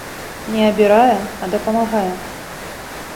Не абірае, а дапамагае.